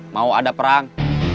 mau ada perang